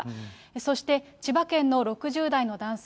そして、千葉県の６０代の男性。